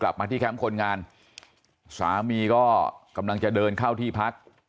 กลับมาที่แคมป์คนงานสามีก็กำลังจะเดินเข้าที่พัก